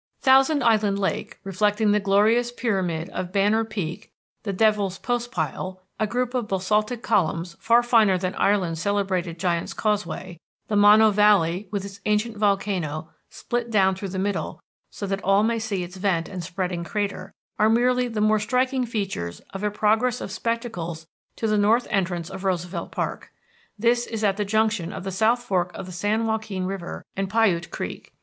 Thousand Island Lake, reflecting the glorious pyramid of Banner Peak, the Devil's Postpile, a group of basaltic columns, far finer than Ireland's celebrated Giant's Causeway, the Mono Valley, with its ancient volcano split down through the middle so that all may see its vent and spreading crater, are merely the more striking features of a progress of spectacles to the north entrance of Roosevelt Park; this is at the junction of the South Fork of the San Joaquin River and Piute Creek.